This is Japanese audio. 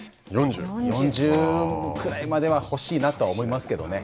４０くらいまでは欲しいなとは思いますけどね。